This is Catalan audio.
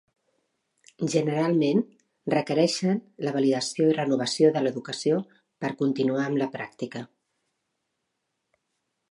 Generalment, requereixen la validació i renovació de l'educació per continuar amb la pràctica.